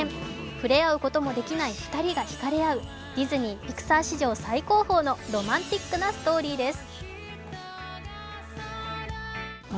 触れ合うこともできない２人が引かれ合う、ディズニー＆ピクサー史上最高峰のロマンティックなストーリーです。